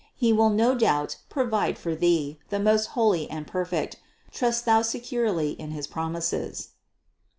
He will no doubt provide for Thee the most holy and perfect ; trust Thou securely in his promises."